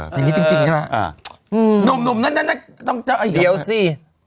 อย่างนี้จริงใช่ไหมน่าต้องหยาวสิ